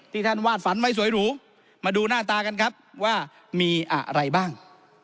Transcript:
ท่านวาดฝันไว้สวยหรูมาดูหน้าตากันครับว่ามีอะไรบ้าง